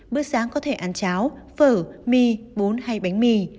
bữa sáng có thể ăn cháo phở mì bún hay bánh mì